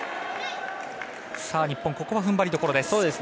日本、ここはふんばりどころです。